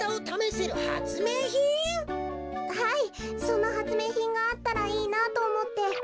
そんなはつめいひんがあったらいいなとおもって。